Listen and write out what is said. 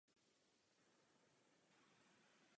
Hlavním způsobem politického boje byla občanská neposlušnost.